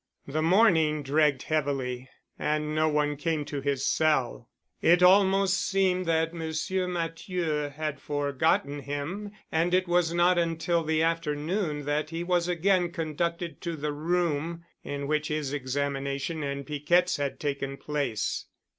The morning dragged heavily and no one came to his cell. It almost seemed that Monsieur Matthieu had forgotten him and it was not until the afternoon that he was again conducted to the room in which his examination and Piquette's had taken place.